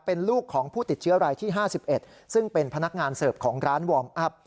เป็นลูกของผู้ติดเชื้อรายที่๕๑ซึ่งเป็นพนักงานเสิร์ฟของร้านวอร์มอัพ